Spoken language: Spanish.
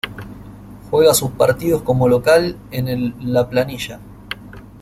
Juega sus partidos como local en el La Planilla.